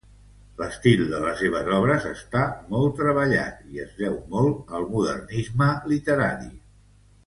L'estil de les seves obres està molt treballat i es deu molt al modernisme literari.